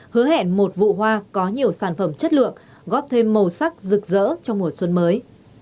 hứa hẹn một vụ hoa có nhiều sản phẩm chất lượng góp thêm màu sắc rực rỡ trong mùa xuân mới